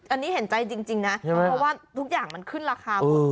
อันนี้เห็นใจจริงนะเพราะว่าทุกอย่างมันขึ้นราคาหมด